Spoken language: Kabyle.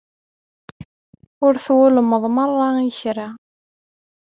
Ur twulmeḍ meṛṛa i kra.